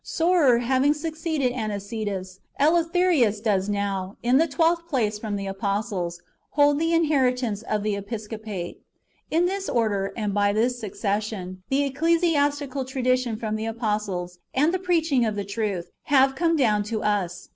Soter having succeeded Anicetus, Eleutherius does now, in the twelfth place from the apostles, hold the inheritance of the episcopate. In tliis order, and by this succession, the ecclesiastical tradition from the apostles, and the preaching of the truth, have come down to us.